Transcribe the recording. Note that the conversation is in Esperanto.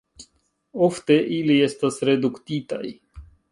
Ofte ili estas reduktitaj.